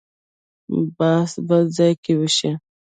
بحث بل ځای کې وشي.